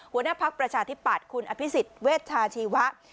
หัวหน้าพักประชาธิปัตย์คุณอภิษฎเวชชาชีวะ